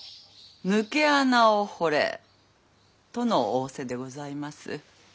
「抜け穴を掘れ」との仰せでございます。